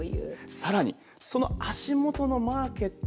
更にその足元のマーケット